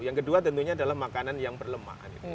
yang kedua tentunya adalah makanan yang berlemak